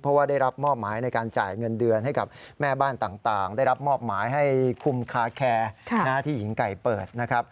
เพราะว่าได้รับมอบหมายในการจ่ายเงินเดือนให้กับแม่บ้านต่างได้รับมอบหมายให้คุมคาแคร์ที่หญิงไก่เปิดนะครับ